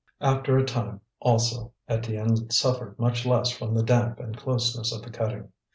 After a time, also, Étienne suffered much less from the damp and closeness of the cutting.